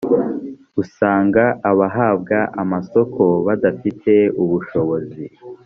usanga abahabwa amasoko badafite ubushobozi